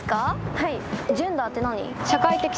はい。